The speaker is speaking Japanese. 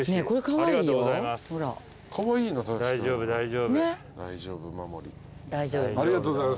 ありがとうございます。